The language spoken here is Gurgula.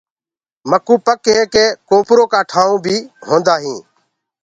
مڪوُ پڪ هي ڪي ڪوپرو ڪآ ٺآيونٚ بي هوندآ هينٚ۔